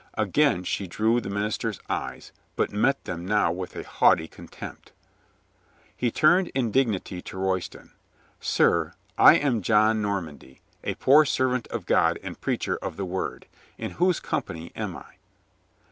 Again she drew the minister's eyes, but met them now with a haughty contempt. He turned in dignity to Royston. "Sir, I am John Normandy, a poor servant of God and preacher of the Word. In whose company am I